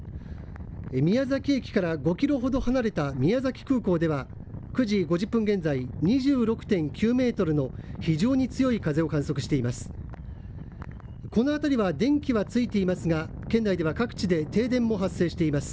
宮崎駅から５キロほど離れた宮崎空港では９時５０分現在２６．９メートルの非常に強い風を観測しています。